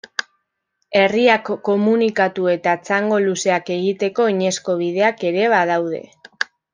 Herriak komunikatu eta txango luzeak egiteko oinezko bideak ere badaude.